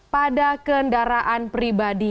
pada kendaraan pribadi